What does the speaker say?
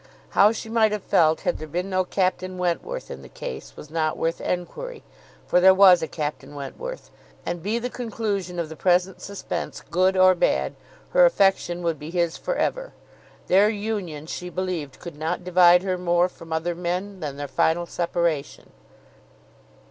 How she might have felt had there been no Captain Wentworth in the case, was not worth enquiry; for there was a Captain Wentworth; and be the conclusion of the present suspense good or bad, her affection would be his for ever. Their union, she believed, could not divide her more from other men, than their final separation.